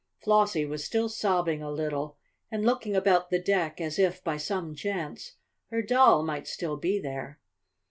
Flossie was still sobbing a little, and looking about the deck as if, by some chance, her doll might still be there.